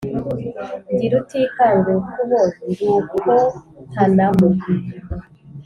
ndi rutikanga urukubo ndukotanamo.